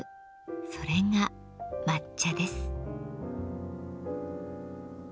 それが「抹茶」です。